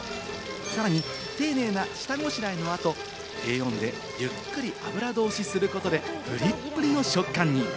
さらに丁寧な下ごしらえの後、低温でゆっくり油通しすることで、プリップリの食感に。